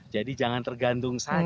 jadi jangan tergantung saja